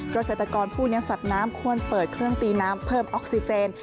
เกษตรกรผู้เลี้ยงสัตว์น้ำควรเปิดเครื่องตีน้ำเพิ่มออกซิเจน